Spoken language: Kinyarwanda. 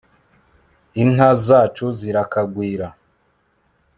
inka zacu zirakagwira